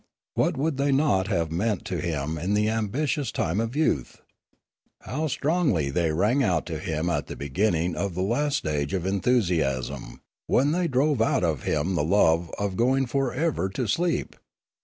What would they not have meant to him in the ambitious time of youth ? How strongly they rang out to him at the beginning of the last stage of enthusiasm, when they drove out of him the love of going for ever to sleep!